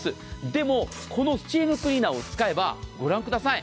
でもこのスチームクリーナーを使えばご覧ください。